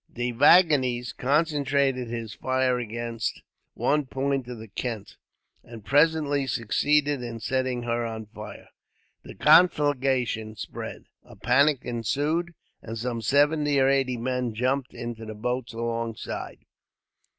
De Vignes concentrated his fire against one point in the Kent, and presently succeeded in setting her on fire. The conflagration spread, a panic ensued, and some seventy or eighty men jumped into the boats alongside.